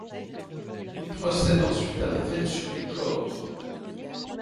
Il procède ensuite à la fête sur les corps.